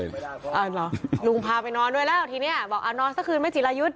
ใช่ค่ะ